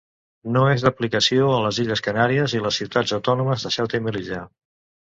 No és d'aplicació a les illes Canàries, i les ciutats autònomes de Ceuta i Melilla.